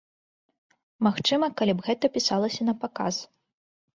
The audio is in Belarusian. Магчыма, калі б гэта пісалася напаказ.